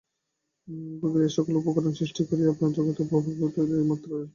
ভোগের এই-সকল উপকরণ সৃষ্টি করিয়া আপনারা জগতের অভাব বৃদ্ধি করিতেছেন এই মাত্র।